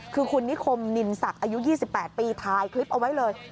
คือคุณนิคมนินศักดิ์อายุ๒๘ปีถ่ายคลิปเอาไว้เลย